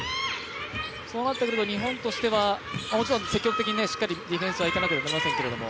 そうなってくると日本としてはもちろん積極的にしっかりディフェンスはいかなければいけませんが。